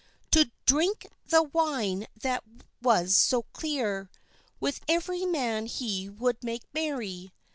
To drinke the wine that was so cleere! With every man he would make merry.